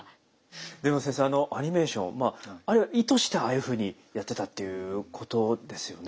でも先生あのアニメーションまああれ意図してああいうふうにやってたっていうことですよね？